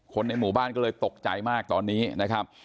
ในหมู่บ้านก็เลยตกใจมากตอนนี้นะครับ